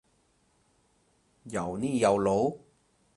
又呢又路？